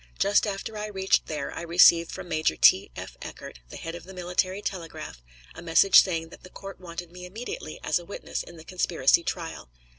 Just after I reached there I received from Major T. F. Eckert, the head of the military telegraph, a message saying that the court wanted me immediately as a witness in the conspiracy trial.